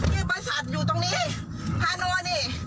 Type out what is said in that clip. คือบริษัทอยู่ตรงนี้พานอนนี่